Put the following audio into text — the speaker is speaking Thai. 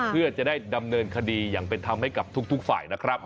เพื่อจะได้ดำเนินคดีอย่างเป็นธรรมให้กับทุกฝ่ายนะครับ